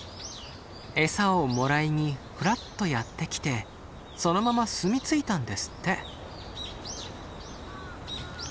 エサをもらいにふらっとやって来てそのまま住み着いたんですって。